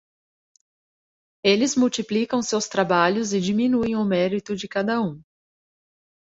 Eles multiplicam seus trabalhos e diminuem o mérito de cada um.